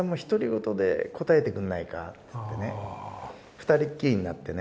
２人きりになってね